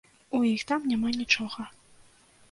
У іх там няма нічога.